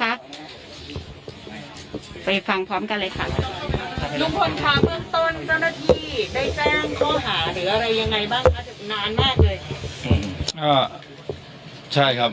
อ่าใช่ครับ